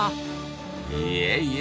いえいえ。